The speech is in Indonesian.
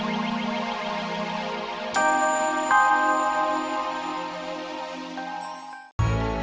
terus malah nuduh kakak pur